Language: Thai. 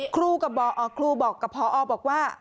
ครูบอกกับพอบอกว่า